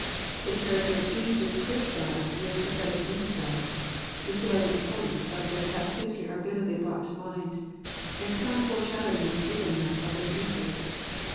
The character of each is criticized with prophetic insight ; the salient points of their past history are vividly brought to mind; and some fore shadowing is given them of their future.